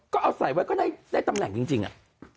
ก็เอาใส่ไว้ก็ได้ตำแหน่งจริงอะ